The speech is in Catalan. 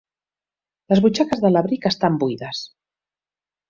Les butxaques de l'abric estan buides.